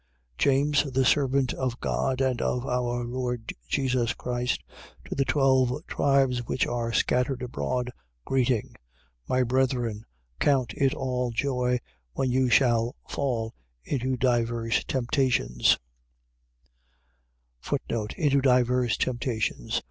James, the servant of God and of our Lord Jesus Christ, to the twelve tribes which are scattered abroad, greeting. 1:2. My brethren, count it all joy, when you shall fall into divers temptations: Into divers temptations.